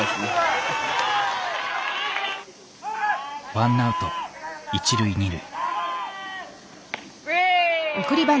ワンアウト一塁二塁。